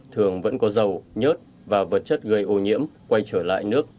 thường vẫn có dầu nhớt và vật chất gây ô nhiễm quay trở lại nước